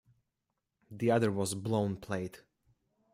The other was blown plate.